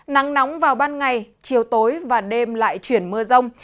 nắng nóng vào ban ngày chiều tối và đêm lại chuyển mưa rông